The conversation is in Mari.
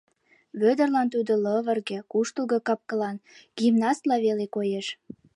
Вӧдырлан тудо лывырге, куштылго кап-кылан, гимнастла веле коеш.